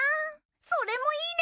それもいいね！